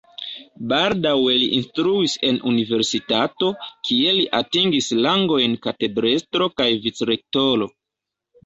Baldaŭe li instruis en universitato, kie li atingis rangojn katedrestro kaj vicrektoro.